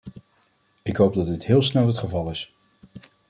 Ik hoop dat dit heel snel het geval is.